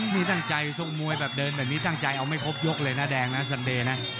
มีตั้งใจมุยแบบเดินตั้งใจเอาไม่ครบยกเลยนะแดงมาซันเด